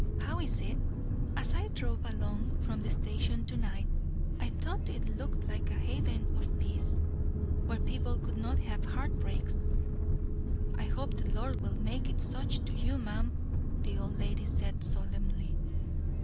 How is it? As I drove along from the station to night, I thought it looked like a haven of peace, where people could not have heartbreaks." "I hope the Lord will make it such to you, ma'am," the old lady said solemnly.